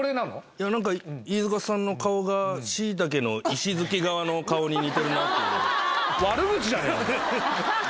いや何か飯塚さんの顔がしいたけの石づき側の顔に似てるなっていうじゃない？